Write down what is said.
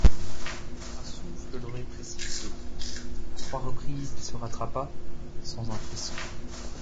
Un souffle l'aurait précipité, à trois reprises il se rattrapa, sans un frisson.